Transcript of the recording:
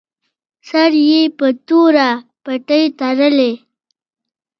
سر یې په توره پټۍ تړلی.